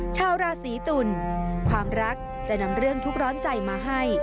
ชาวราศีตุลความรักจะนำเรื่องทุกร้อนใจมาให้